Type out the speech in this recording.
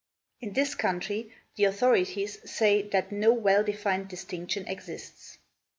In this country the authorities say that no well defined distinction exists.